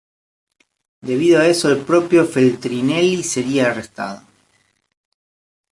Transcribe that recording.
Debido a eso el propio Feltrinelli sería arrestado.